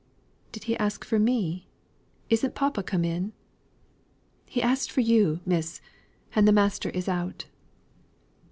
"Did he ask for me? Isn't papa come in?" "He asked for you, miss; and master is out."